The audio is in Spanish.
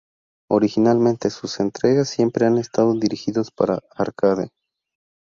Originalmente, sus entregas siempre han estado dirigidos para arcade.